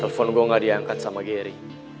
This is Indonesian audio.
telepon gue gak diangkat sama geri